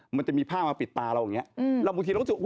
มันจะมีผ้ามาปิดตาเราอย่างนี้แล้วบางทีเรารู้สึกว่า